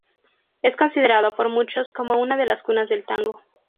Es considerado por muchos como una de las cunas del tango.